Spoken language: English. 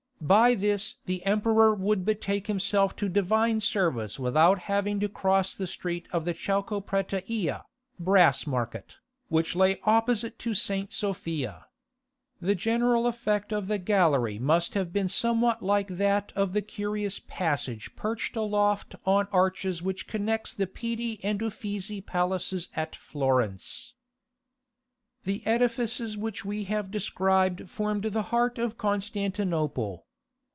By this the emperor would betake himself to divine service without having to cross the street of the Chalcoprateia (brass market), which lay opposite to St. Sophia. The general effect of the gallery must have been somewhat like that of the curious passage perched aloft on arches which connects the Pitti and Uffizi palaces at Florence. The edifices which we have described formed the heart of Constantinople.